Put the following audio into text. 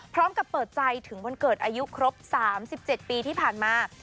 พร้อมกับเปิดใจถึงวันเกิดอายุครบ๓๗ปีที่ผ่านมา